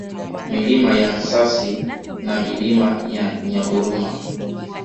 Milima ya Nsasi na Milima ya Nyaburuma